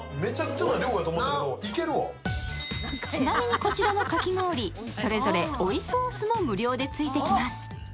ちなみにこちらのかき氷、それぞれ追いソースもついてきます。